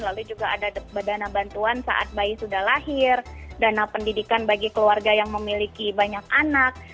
lalu juga ada dana bantuan saat bayi sudah lahir dana pendidikan bagi keluarga yang memiliki banyak anak